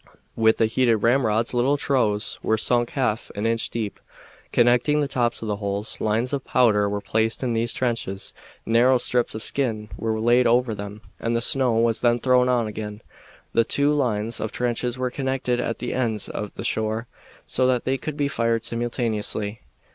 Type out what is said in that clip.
With the heated ramrods little troughs were sunk half an inch deep, connecting the tops of the holes; lines of powder were placed in these trenches; narrow strips of skin were laid over them, and the snow was then thrown on again. The two lines of trenches were connected at the ends at the shore, so that they could be fired simultaneously.